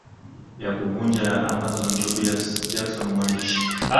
ya kuvunja ya Amazon Tobias Jackson mwandishi